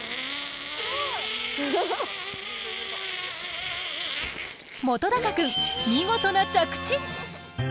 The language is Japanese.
元君見事な着地！